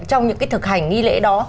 trong những cái thực hành nghi lễ đó